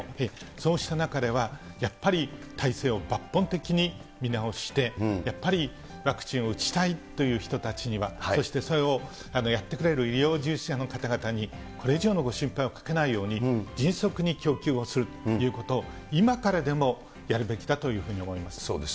そうした中では、やっぱり体制を抜本的に見直して、やっぱりワクチンを打ちたいという人たちには、そしてそれをやってくれる医療従事者の方々に、これ以上のご心配をかけないように、迅速に供給をするということ、今からでもやるべきだというふうに思います。